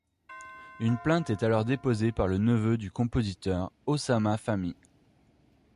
Une plainte est alors déposée par le neveu du compositeur, Osama Fahmy.